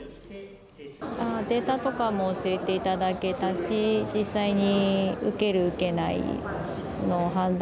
データとかも教えていただけたし、実際に受ける受けないの判断